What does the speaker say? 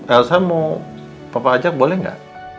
elsa mau papa ajak boleh nggak